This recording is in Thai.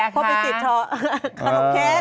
ขนมแคร็ก